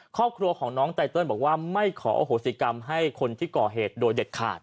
ครอบครัวของน้องไตเติลบอกว่าไม่ขออโหสิกรรมให้คนที่ก่อเหตุโดยเด็ดขาด